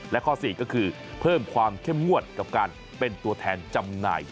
และข้อ๔ก็คือเพิ่มความเข้มงวดกับการเป็นตัวแทนจำหน่าย